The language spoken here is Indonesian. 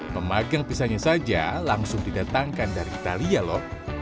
pemagang pizzanya saja langsung didatangkan dari italia lho